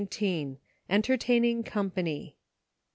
ENTERTAINING COMPANY.